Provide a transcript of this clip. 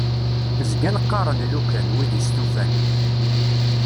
Zgan qqaṛen "lukan", wid istufan.